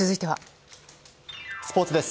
スポーツです。